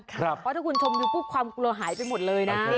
เพราะถ้าคุณชมดูปุ๊บความกลัวหายไปหมดเลยนะ